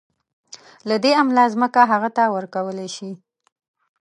له دې امله ځمکه هغه ته ورکول شي.